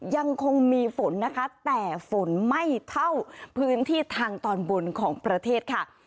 ยังคงมีฝนนะคะแต่ฝนไม่เท่าพื้นที่ทางตอนบนของประเทศค่ะ